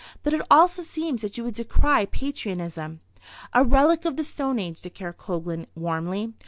"But it also seems that you would decry patriotism." "A relic of the stone age," declared Coglan, warmly.